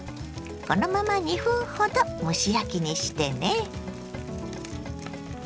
このまま２分ほど蒸し焼きにしてね。